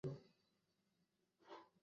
একদিন বাঁচলেও, মানুষের মত স্বাধীনভাবে বাঁচব!